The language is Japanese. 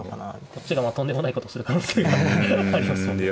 こっちがまあとんでもないことする可能性がありますもんね。